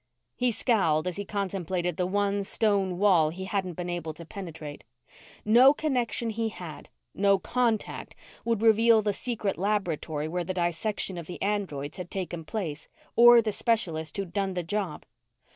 He scowled as he contemplated the one stone wall he hadn't been able to penetrate. No connection he had, no contact, would reveal the secret laboratory where the dissection of the androids had taken place, or the specialist who'd done the job.